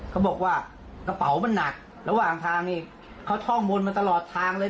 เขาบอกว่ากระเป๋ามันหนักระหว่างทางนี่เขาท่องบนมาตลอดทางเลย